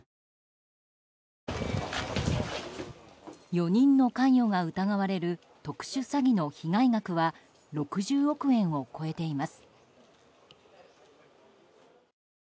４人の関与が疑われる特殊詐欺の被害額は６０億円を超えています。